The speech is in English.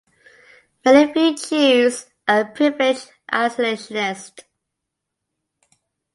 Many viewed Jews as privileged isolationists.